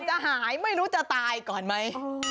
จะหายไม่รู้จะตายก่อนไหม